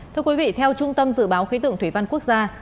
thưa quý vị theo trung tâm dự báo khí tượng thủy văn quốc gia